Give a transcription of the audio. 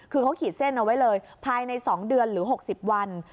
คือเขาขีดเส้นเอาไว้เลยภายใน๒เดือนหรือ๖๐วัน